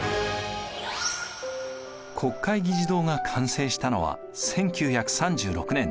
国会議事堂が完成したのは１９３６年。